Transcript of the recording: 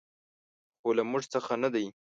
خو له موږ څخه نه دي .